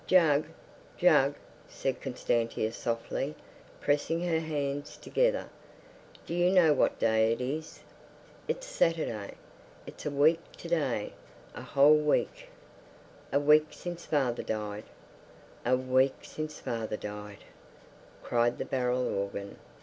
"Jug, Jug," said Constantia softly, pressing her hands together. "Do you know what day it is? It's Saturday. It's a week to day, a whole week." A week since father died, A week since father died, cried the barrel organ.